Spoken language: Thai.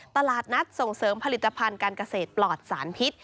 ตลาดนัดส่งเสริมผลิตภัณฑ์การเกษตรปลอดสารพิษ